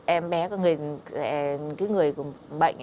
em bé cái người bệnh